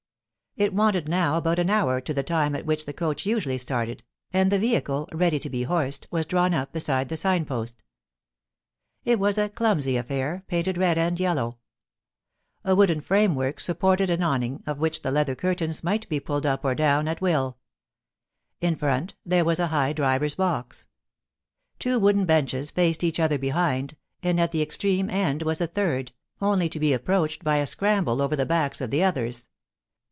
It wanted now about an hour to the time at which the coach usually started, and the vehicle, ready to be horsed, was drawn up beside the sign post It was a clumsy affair, painted red and yellow. A wooden framework^upported an awning, of which the leather curtains might be pulled up or down at will ; in front there was a high driver's box ; two wooden benches faced each other behind, and at the ex treme end was a third, only to be approached by a scramble 2 POLICY AND PASSION, over the backs of the others.